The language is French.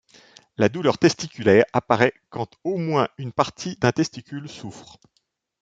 La douleur testiculaire apparaît quand au moins une partie d'un testicule souffre.